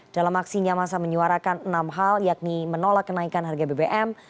dalam aksinya masa menyuarakan enam hal yakni menolak kenaikan harga bbm